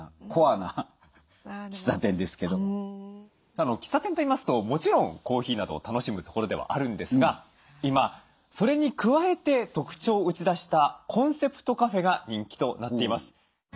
さあ喫茶店といいますともちろんコーヒーなどを楽しむ所ではあるんですが今それに加えて特徴を打ち出したコンセプトカフェが人気となっています。